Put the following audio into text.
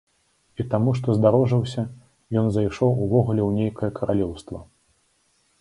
І таму, што здарожыўся, ён зайшоў увогуле ў нейкае каралеўства.